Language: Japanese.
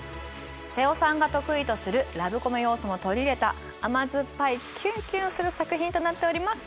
瀬尾さんが得意とするラブコメ要素も取り入れた甘酸っぱいキュンキュンする作品となっております。